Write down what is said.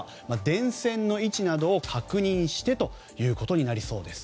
電線の位置などを確認してということになりそうです。